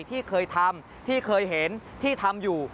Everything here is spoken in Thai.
ที่เคยทำที่เคยเห็นที่ทำอยู่